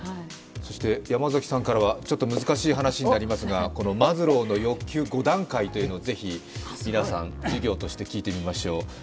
山崎さんからは、ちょっと難しい話になりますがマズローの欲求五段階というのを皆さん、ぜひ聞いてみましょう。